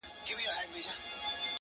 بېعدالتي ټولنه کمزورې کوي.